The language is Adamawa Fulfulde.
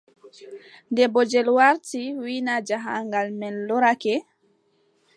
Nde bojel warti, wii, naa jahaangal men lorake?